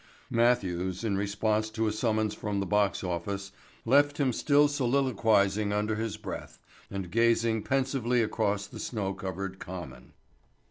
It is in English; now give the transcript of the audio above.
Matthews, in response to a summons from the box office, left him still soliloquizing under his breath and gazing pensively across the snow covered Common.